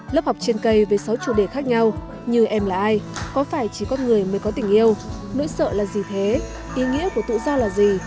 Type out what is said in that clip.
lớp học trên cây với sáu chủ đề khác nhau như em là ai có phải chỉ có người mới có tình yêu nỗi sợ là gì thế ý nghĩa của tự do là gì